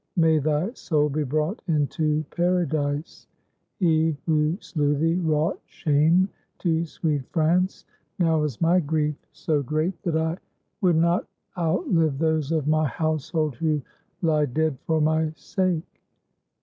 May thy soul be brought into Paradise. He who slew thee wrought shame to sweet France. Now is my grief so great that I 1 60 LAMENT OF CHARLEMAGNE FOR ROLAND would not outlive those of my household who lie dead for my sake.